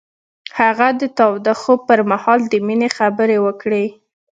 هغه د تاوده خوب پر مهال د مینې خبرې وکړې.